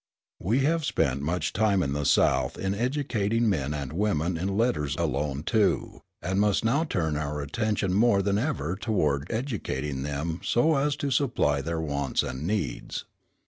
We have spent much time in the South in educating men and women in letters alone, too, and must now turn our attention more than ever toward educating them so as to supply their wants and needs.